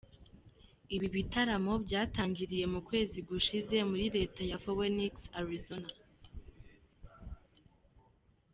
Ibi bitaramo byatangiriye mu kwezi gushize muri Leta ya Phoenix Arizona.